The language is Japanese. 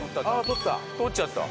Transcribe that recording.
取っちゃった。